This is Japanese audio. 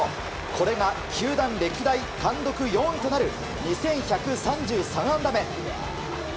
これが球団歴代単独４位となる２１３３安打目。